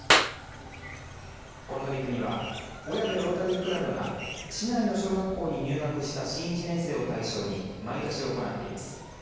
この取り組みは小矢部ロータリークラブが市内の小学校に入学した新１年生を対象に毎年行っています。